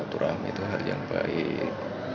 turami itu hal yang baik